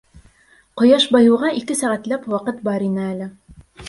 Ҡояш байыуға ике сәғәтләп ваҡыт бар ине әле.